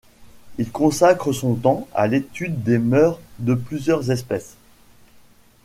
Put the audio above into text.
Il consacre son temps à l’étude des mœurs de plusieurs espèces.